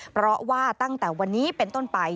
เพราะว่าตั้งแต่วันนี้เป็นต้นไป